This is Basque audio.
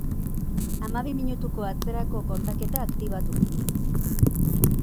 Hamabi minutuko atzerako kontaketa aktibatu